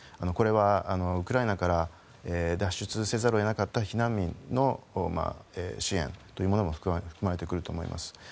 これはウクライナから脱出せざるを得なかった避難民の支援というのも含まれてくると思います。